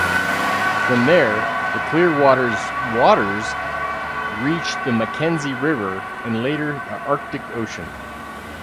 From there the Clearwater's waters reach the Mackenzie River and later the Arctic Ocean.